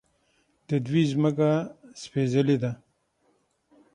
د دوی ځمکه سپیڅلې ده.